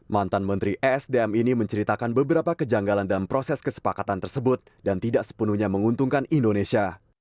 mantan menteri esdm ini menceritakan beberapa kejanggalan dalam proses kesepakatan tersebut dan tidak sepenuhnya menguntungkan indonesia